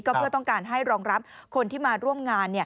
ก็เพื่อต้องการให้รองรับคนที่มาร่วมงาน